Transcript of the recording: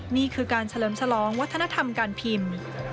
นี่คือการเฉลิมฉลองวัฒนธรรมการพิมพ์